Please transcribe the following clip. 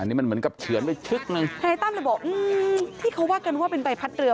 อันนี้มันเหมือนกับเฉือนไปชึกหนึ่งทนายตั้มเลยบอกอืมที่เขาว่ากันว่าเป็นใบพัดเรือ